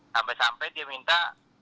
sampai sampai dia minta